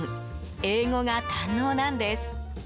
英語が堪能なんです！